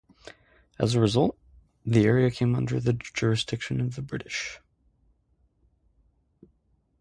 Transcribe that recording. As a result, the area came under the jurisdiction of the British.